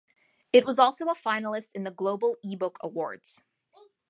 It was also a finalist in the Global Ebook Awards.